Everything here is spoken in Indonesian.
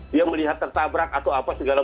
dia melihat tertabrak atau apa segala